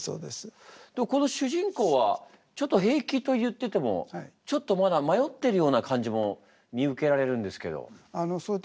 この主人公はちょっと「平気」と言っててもちょっとまだ迷ってるような感じも見受けられるんですけど。